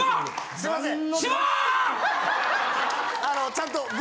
すいません！